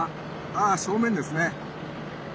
あ正面ですね。